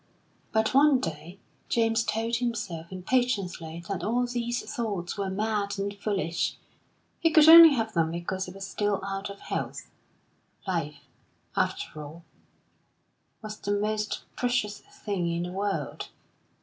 But one day James told himself impatiently that all these thoughts were mad and foolish; he could only have them because he was still out of health. Life, after all, was the most precious thing in the world.